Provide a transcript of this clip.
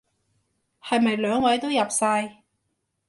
係咪兩位都入晒？